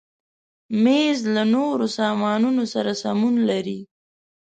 مېز له نورو سامانونو سره سمون لري.